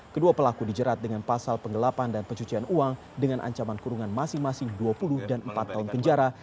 kedua pelaku dijerat dengan pasal penggelapan dan pencucian uang dengan ancaman kurungan masing masing dua puluh dan empat tahun penjara